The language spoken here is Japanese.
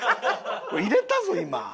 入れたぞ今。